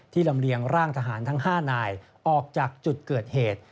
ลำเลียงร่างทหารทั้ง๕นายออกจากจุดเกิดเหตุ